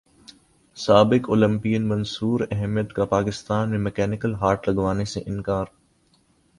سابق اولمپئن منصوراحمد کا پاکستان میں مکینیکل ہارٹ لگوانے سے انکار